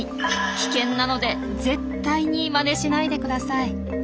危険なので絶対にまねしないでください。